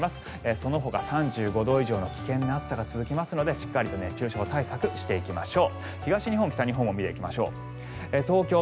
そのほか３５度以上の危険な暑さが続きますのでしっかりと熱中症対策していきましょう。